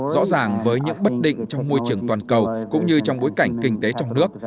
rõ ràng với những bất định trong môi trường toàn cầu cũng như trong bối cảnh kinh tế trong nước